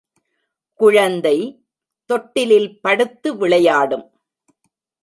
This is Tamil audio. குழந்தை தொட்டிலில் படுத்து விளையாடும்.